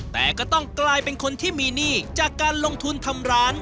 แต่ก็ต้องกลายเป็นคนที่มีหนี้จากการลงทุนทำร้าน